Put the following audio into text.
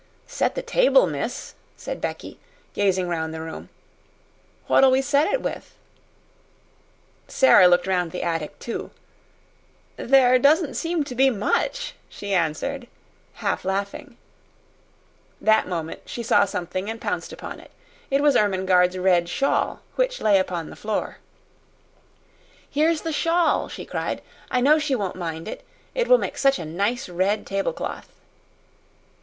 "Set the table, miss?" said Becky, gazing round the room. "What'll we set it with?" Sara looked round the attic, too. "There doesn't seem to be much," she answered, half laughing. That moment she saw something and pounced upon it. It was Ermengarde's red shawl which lay upon the floor. "Here's the shawl," she cried. "I know she won't mind it. It will make such a nice red tablecloth."